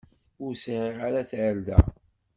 Ur sɛiɣ ara tarda.